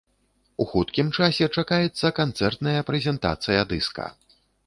У хуткім часе чакаецца канцэртная прэзентацыя дыска.